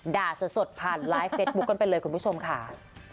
ด่าสดผ่านไลฟ์เฟซบุ๊คกันไปเลยคุณผู้ชมค่ะ